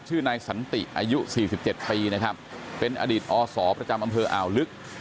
นายสันติอายุ๔๗ปีนะครับเป็นอดีตอศประจำอำเภออ่าวลึก